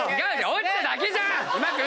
落ちただけじゃん！